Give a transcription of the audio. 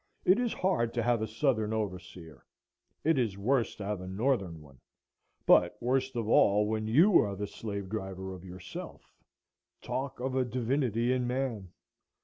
It is hard to have a southern overseer; it is worse to have a northern one; but worst of all when you are the slave driver of yourself. Talk of a divinity in man!